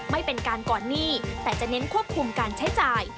ไม่เป็นการก่อนหนี้แต่จะเน้นควบคุมการใช้จ่าย